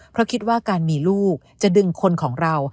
เพราะคิดว่าการมีลูกจะดึงคนของเรา